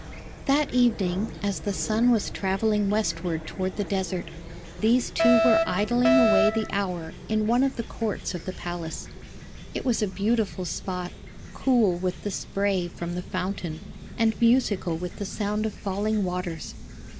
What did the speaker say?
That evening, as the sun was travelling westward toward the desert, these two were idling away the hour in one of the courts of the palace. It was a beautiful spot, cool with the spray from the fountain and musical with the sound of falling waters.